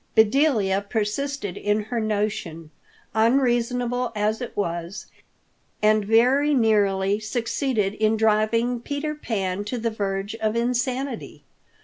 Bedelia persisted in her notion, unreasonable as it was, and very nearly succeeded in driving Peter Pan to the verge of insanity.